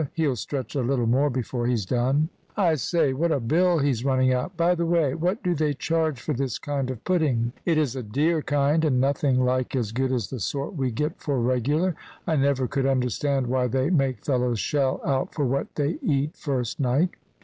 "He'll stretch a little more before he's done." "I say, what a bill he's running up! By the way, what do they charge for this kind of pudding?" "It's a dear kind and nothing like as good as the sort we get for regular. I never could understand why they make fellows shell out for what they eat first night."